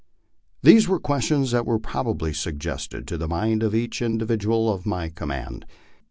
These were questions that were probably suggested to the mind of each indi vidual of my command.